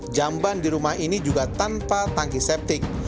tapi kalau di rumah ini di rumah ini juga tanpa tangkis septic